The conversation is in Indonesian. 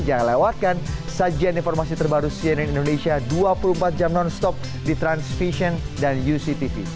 jangan lewatkan sajian informasi terbaru cnn indonesia dua puluh empat jam non stop di transvision dan uctv